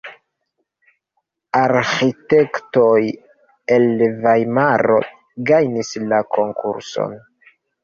Arĥitektoj el Vajmaro gajnis la konkurson.